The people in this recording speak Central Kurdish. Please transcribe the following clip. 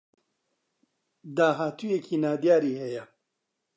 داهاتوویێکی نادیاری هەیە